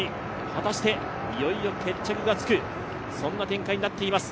果たしていよいよ決着がつく、そんな展開になっています。